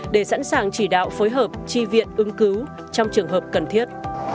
để sẵn sàng chỉ đạo phối hợp tri viện ứng cứu trong trường hợp cần thiết